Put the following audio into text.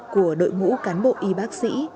của đội ngũ cán bộ y bác sĩ